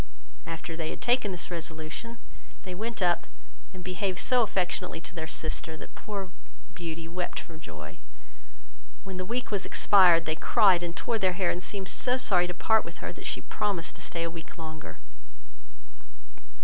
After they had taken this resolution, they went up, and behaved so affectionately to their sister, that poor Beauty wept for joy. When the week was expired, they cried and tore their hair, and seemed so sorry to part with her, that she promised to stay a week longer.